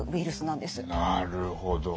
なるほど。